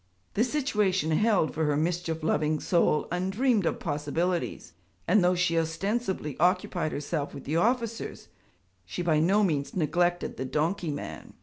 The situation held for her mischief loving soul undreamed of possibilities; and though she ostensibly occupied herself with the officers, she by no means neglected the donkey man.